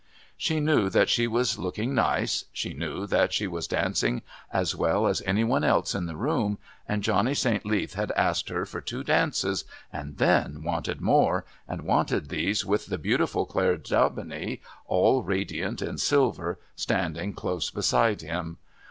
She knew that she was looking nice, she knew that she was dancing as well as any one else in the room and Johnny St. Leath had asked her for two dances and then wanted more, and wanted these with the beautiful Claire Daubeney, all radiant in silver, standing close beside him.